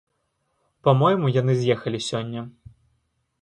Па-мойму, яны з'ехалі сёння.